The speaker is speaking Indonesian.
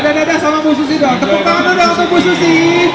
tepuk tangan untuk bu susi